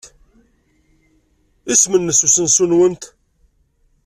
Isem-nnes usensu-nwent?